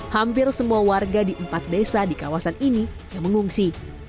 hampir semua warga di empat desa di kawasan ini yang mengungsi